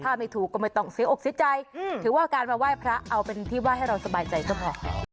ถ้าไม่ถูกก็ไม่ต้องเสียอกเสียใจถือว่าการมาไหว้พระเอาเป็นที่ว่าให้เราสบายใจก็พอ